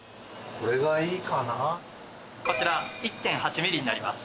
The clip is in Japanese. こちら１．８ミリになります。